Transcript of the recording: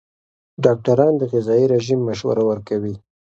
ډاکټران د غذايي رژیم مشوره ورکوي.